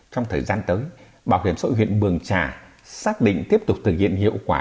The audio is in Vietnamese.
trong thời gian tới bảo hiểm sội huyện bường trà xác định tiếp tục thực hiện hiệu quả